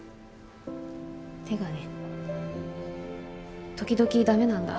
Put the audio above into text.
手がね時々駄目なんだ。